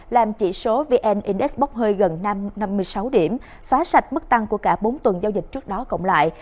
làm chỉ số vn index bốc hơi gần năm mươi sáu điểm xóa sạch mức tăng của cả bốn tuần giao dịch trước đó cộng lại